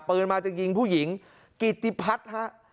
ปืนมาจะยิงผู้หญิงกิติพัฒน์ฮะ